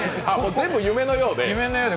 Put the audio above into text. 全部夢のようで？